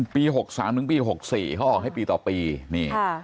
หกสามถึงปี๖๔เขาออกให้ปีต่อปีนี่